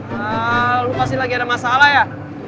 nah lo pasti lagi ada masalah ya